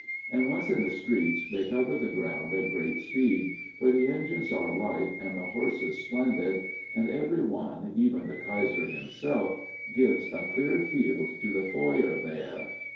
And once in the streets, they cover the ground at great speed, for the engines are light and the horses splendid, and every one, even the Kaiser himself, gives a clear field to the Feuerwehr.